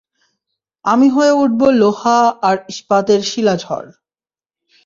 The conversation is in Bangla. আমি হয়ে উঠবো লোহা আর ইস্পাতের শিলাঝড়!